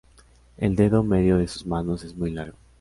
El dedo medio de sus manos es muy largo.